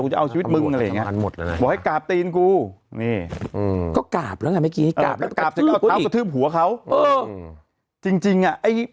กูจะเอาชีวิตมึงอะไรอย่างงี้บอกให้กราบตีนกูฮือจริงจริงอ่ะ